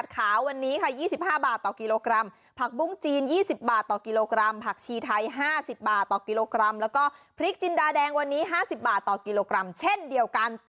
ขาววันนี้ค่ะ๒๕บาทต่อกิโลกรัมผักบุ้งจีน๒๐บาทต่อกิโลกรัมผักชีไทย๕๐บาทต่อกิโลกรัมแล้วก็พริกจินดาแดงวันนี้๕๐บาทต่อกิโลกรัมเช่นเดียวกัน